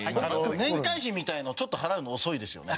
年会費みたいのちょっと払うの遅いですよね。